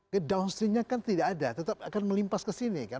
ke downstreamnya kan tidak ada tetap akan melimpas ke sini kan